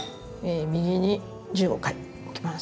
右に１５回。いきます。